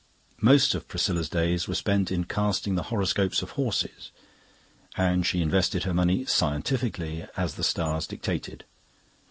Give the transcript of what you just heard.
Most of Priscilla's days were spent in casting the horoscopes of horses, and she invested her money scientifically, as the stars dictated.